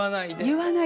言わないで。